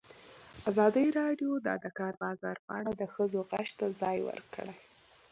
ازادي راډیو د د کار بازار په اړه د ښځو غږ ته ځای ورکړی.